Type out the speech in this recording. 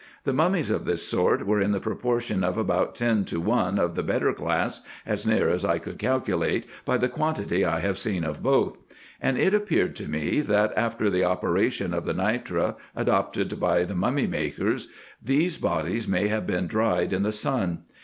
Mummies of this sort were in the proportion of about ten to one of the better class, as near as I could calculate by the quantity I have seen of both ; and it appeared to me, that, after the operation of the nitre, adopted by the mummy makers, these bodies may have been dried in the sun.